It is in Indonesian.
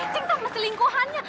keceng sama selingkuhan